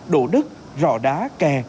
đổ đất rọ đá kè